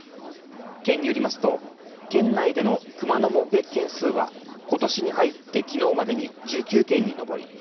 県によりますと、県内での熊の目撃件数はことしに入ってきのうまでに１９件にのぼり